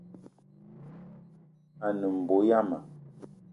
A ne mbo yama